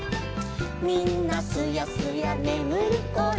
「みんなすやすやねむるころ」